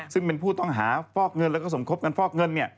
ซึ่งเป็นผู้ต้องหาฟอกเงินแล้วก็สมคบกันฟอกเงิน